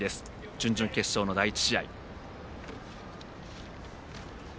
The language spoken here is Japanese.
準々決勝の第１試合。